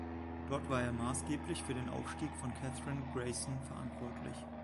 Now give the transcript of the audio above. Dort war er maßgeblich für den Aufstieg von Kathryn Grayson verantwortlich.